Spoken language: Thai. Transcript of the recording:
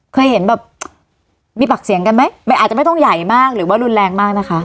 เคยเห็นแบบมีปากเสียงกันไหมอาจจะไม่ต้องใหญ่มากหรือว่ารุนแรงมากนะคะ